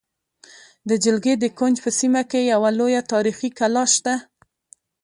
د جلگې د کونج په سیمه کې یوه لویه تاریخې کلا شته